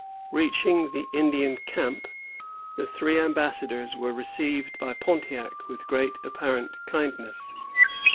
Reaching the Indian Camp, the three ambassadors were received by Pontiac with great apparent kindness.